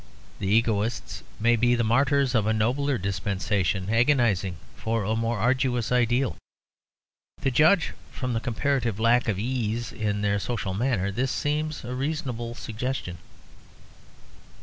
The egoists may be the martyrs of a nobler dispensation, agonizing for a more arduous ideal. To judge from the comparative lack of ease in their social manner, this seems a reasonable suggestion.